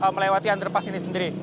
melewati underpass ini sendiri